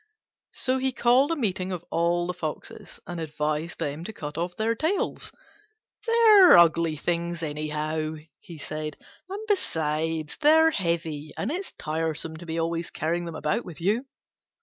So he called a meeting of all the Foxes, and advised them to cut off their tails: "They're ugly things anyhow," he said, "and besides they're heavy, and it's tiresome to be always carrying them about with you."